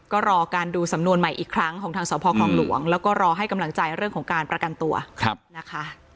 ก็รอการดูสำนวนใหม่อีกครั้งของทางสพคลองหลวงแล้วก็รอให้กำลังใจเรื่องของการประกันตัวนะคะ